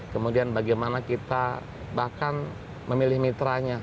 kemudian bagaimana kita bahkan memilih mitranya